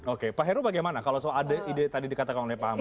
oke pak heru bagaimana kalau soal ada ide yang dikatakan oleh pak hamad